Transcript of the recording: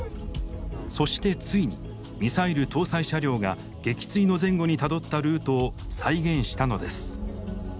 そしてついにミサイル搭載車両が撃墜の前後にたどったルートを再現したのです。